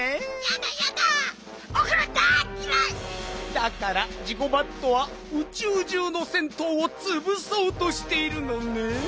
だからジゴバットはうちゅうじゅうの銭湯をつぶそうとしているのねん。